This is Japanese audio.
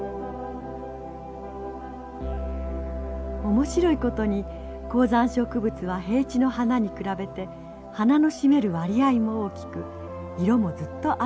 面白いことに高山植物は平地の花に比べて花の占める割合も大きく色もずっと鮮やかだといわれています。